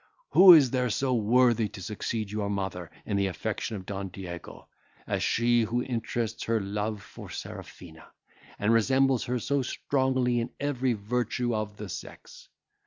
Who is there so worthy to succeed your mother in the affection of Don Diego, as she who interests her love for Serafina, and resembles her so strongly in every virtue of the sex?